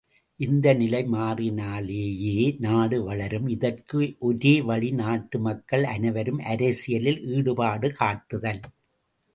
இந்த நிலை மாறினாலேயே நாடு வளரும் இதற்கு ஒரே வழி நாட்டு மக்கள் அனைவரும் அரசியலில் ஈடுபாடு காட்டுதல்!